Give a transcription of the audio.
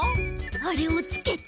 あれをつけて。